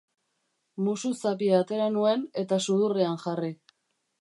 Musuzapia atera nuen, eta sudurrean jarri.